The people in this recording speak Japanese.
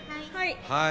はい。